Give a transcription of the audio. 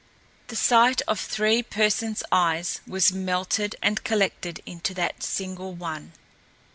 The sight of three persons' eyes was melted and collected into that single one.